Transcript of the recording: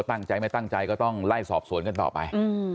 ตั้งใจไม่ตั้งใจก็ต้องไล่สอบสวนกันต่อไป